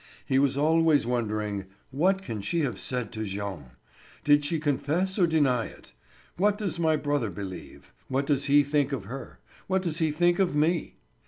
He was always wondering: "What can she have said to Jean? Did she confess or deny it? What does my brother believe? What does he think of her—what does he think of me?"